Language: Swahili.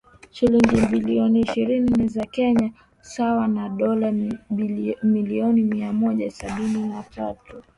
shilingi bilioni ishirini za Kenya sawa na dola milioni mia moja sabini na tatu